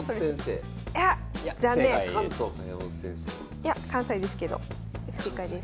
いや関西ですけど不正解です。